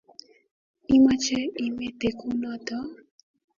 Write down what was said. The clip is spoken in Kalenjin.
Imache imete kunoto?